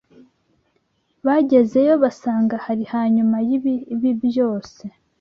Bagezeyo basanga hari hanyuma y’ibibi byose